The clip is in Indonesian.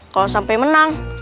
kalau sampai menang